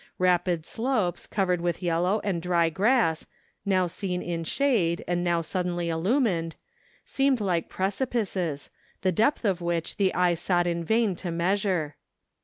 Eapid slopes, covered with yellow and dry grass, now seen in shade, and now suddenly illumined, seemed like precipices, the depth of which the eye sought in vain to measure.